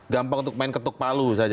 gampang untuk main ketuk palu saja